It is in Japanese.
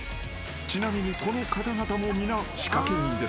［ちなみにこの方々も皆仕掛け人です］